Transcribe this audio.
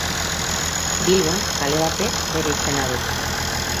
Bilbon kale batek bere izena du.